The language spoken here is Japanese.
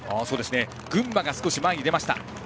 群馬が少し前に出ました。